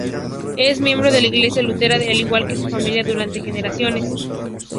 Es miembro de la iglesia luterana, al igual que su familia durante generaciones.